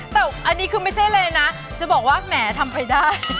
แต่อันนี้คือไม่ใช่อะไรนะจะบอกว่าแหมทำไปได้